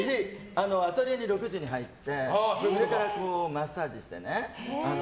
アトリエに６時に入ってそれからマッサージしてね。